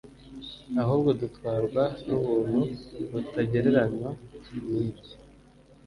ahubwo dutwarwa n ubuntu butagereranywa n ibyo